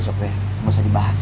gak usah dibahas